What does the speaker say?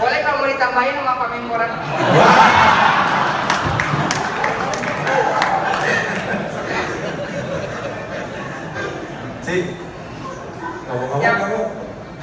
boleh kalau mau ditambahin sama pak minggu rada